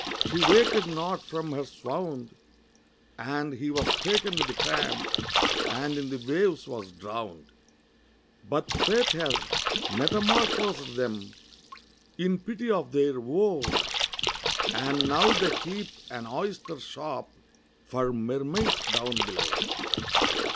she waked not from her swound, And he was taken with the cramp, and in the waves was drowned; But Fate has metamorphosed them, in pity of their woe, And now they keep an oyster shop for mermaids down below.